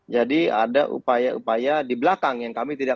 jadi ada upaya upaya di belakang yang kami tidak